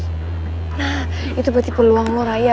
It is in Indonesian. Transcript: nah itu berarti peluang lo raya